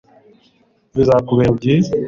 bizakubera byiza